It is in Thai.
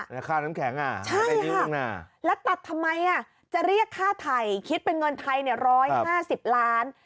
ใช่ค่ะแล้วตัดทำไมอะจะเรียกค่าไทยคิดเป็นเงินไทยเนี่ย๑๕๐ล้าน